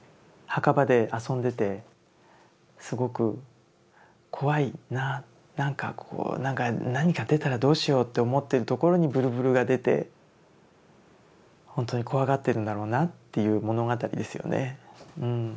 墓場で遊んでてすごく怖いななんかこう何か出たらどうしようって思ってるところに震々が出て本当に怖がってるんだろうなっていう物語ですよね。